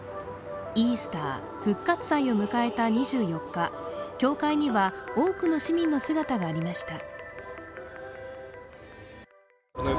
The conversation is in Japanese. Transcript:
イースター＝復活祭を迎えた２４日、教会には多くの市民の姿がありました。